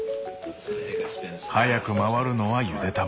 速く回るのはゆで卵。